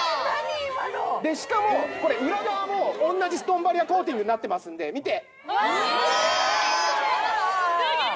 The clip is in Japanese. しかも裏側も同じストーンバリアコーティングになってますんで見て。